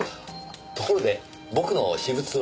ところで僕の私物は？